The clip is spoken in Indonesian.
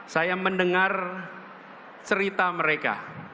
saya mendengar cerita mereka